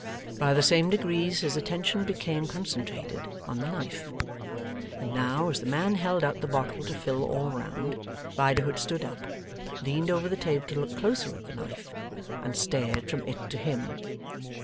By the same degrees his attention became concentrated on the knife. And now, as the man held out the bottle to fill all round, Riderhood stood up, leaned over the table to look closer at the knife, and stared from it to him.